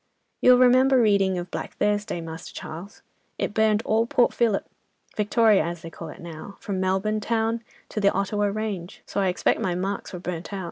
"'You'll remember reading of Black Thursday, Master Charles? it burned all Port Phillip, Victoria as they call it now, from Melbourne town to the Ottawa range. So I expect my marks were burnt out.